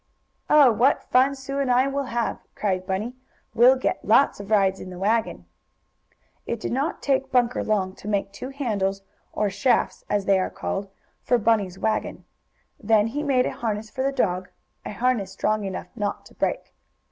"Oh, what fun Sue and I will have!" cried Bunny. "We'll get lots of rides in the wagon." It did not take Bunker long to make two handles, or "shafts," as they are called, for Bunny's wagon. Then he made a harness for the dog a harness strong enough not to break.